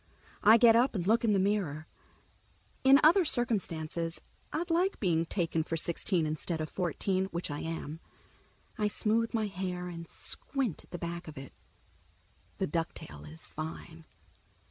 I get up and look in the mirror. In other circumstances I'd like being taken for sixteen instead of fourteen, which I am. I smooth my hair and squint at the back of it. The ducktail is fine.